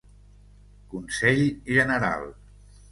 Consell General.